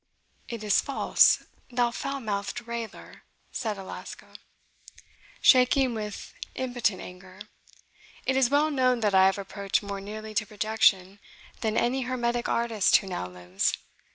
"It is false, thou foul mouthed railer," said Alasco, shaking with impotent anger; "it is well known that I have approached more nearly to projection than any hermetic artist who now lives.